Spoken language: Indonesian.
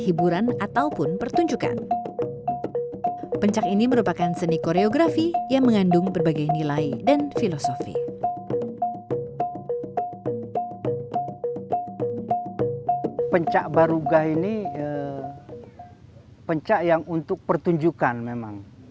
ini pencak yang untuk pertunjukan memang